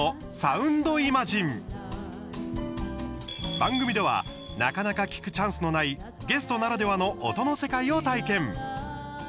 番組ではなかなか聞くチャンスのないゲストならではの音の世界を体験。